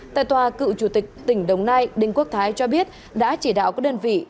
tại tòa cựu chủ tịch tỉnh đồng nai đinh quốc thái cho biết đã chỉ đạo các đơn vị